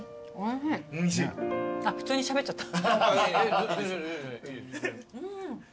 あっ普通にしゃべっちゃった。